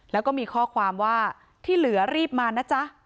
แล้วก็มีข้อความว่าที่เหลือรีบมานะจ๊ะ